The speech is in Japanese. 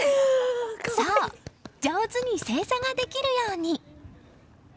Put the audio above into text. そう、上手に正座ができるように。